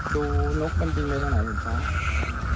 ดูนกกันจริงเลยตรงไหนเหมือนกัน